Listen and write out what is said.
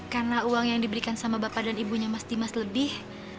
karena uang yang diberikan sama bapak dan ibunya mas dimas lebih